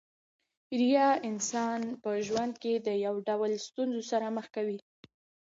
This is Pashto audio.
ریاء انسان په ژوند کښي د يو ډول ستونزو سره مخ کوي.